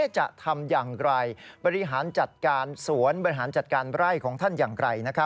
จะทำอย่างไรบริหารจัดการสวนบริหารจัดการไร่ของท่านอย่างไร